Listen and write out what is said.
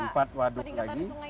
empat waduk lagi